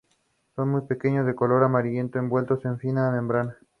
Durante su mandato, se introdujeron una serie de reformas sociales progresistas.